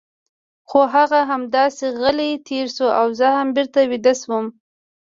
خو هغه همداسې غلی تېر شو او زه هم بېرته ویده شوم.